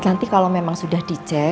nanti kalau memang sudah dicek